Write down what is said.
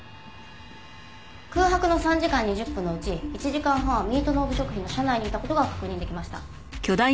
空白の３時間２０分のうち１時間半はミートノーブ食品の社内にいた事が確認できました。